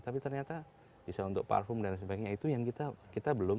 tapi ternyata bisa untuk parfum dan sebagainya itu yang kita belum